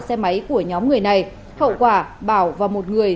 xe máy của nhóm người này hậu quả bảo và một người